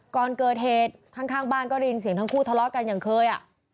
ก่อนเกิดเหตุข้างบ้านก็ได้ยินเสียงทั้งคู่ทะเลาะกันอย่างเคย